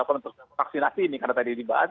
untuk vaksinasi ini karena tadi dibahas